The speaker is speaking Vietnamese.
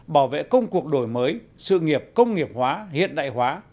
bảo vệ công cuộc đổi mới sự nghiệp công nghiệp hóa hiện đại hóa